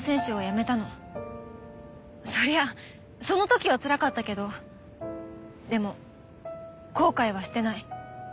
そりゃその時はつらかったけどでも後悔はしてない。